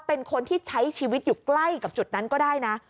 เป็นคนที่ใช้ชีวิตอยู่ใกล้กับจุดนั้นก็ได้นะ